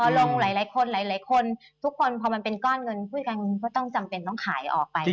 ตลงหลายคนคนพอเป็นก้อนเงินผู้ยการคืนด้วยก็จำเป็นต้องขายออกไป